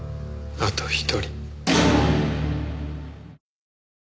あと１人。